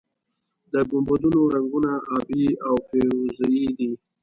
د ګنبدونو رنګونه ابي او فیروزه یي دي.